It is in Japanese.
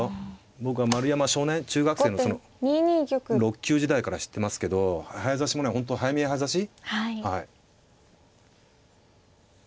僕は丸山少年中学生の６級時代から知ってますけど早指しもね本当早見え早指し。